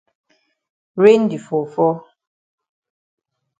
Rain di fall fall.